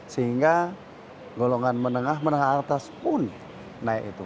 sehingga golongan menengah menengah atas pun naik itu